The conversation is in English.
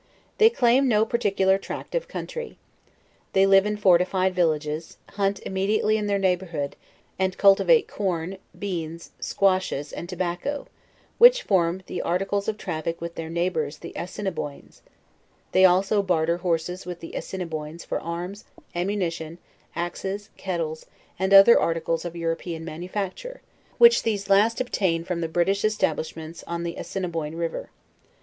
They claim no par ticular tract of country. They live in fortified villages, hunt immediately in their neighborhood, and cultivate corn, beans, squashes, and tobacco, which, form articles of traffic with their neighbors the Assiniboins: they also barter horsea with Assiniboins for arms, ammunition, axes, kettles and other articles of European manufacture, which these last ob LEWIS AND CLARKE. 131 tain from the British establishments on the Assinniboin river.